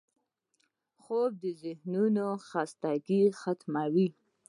خوب د ذهنو خستګي ختموي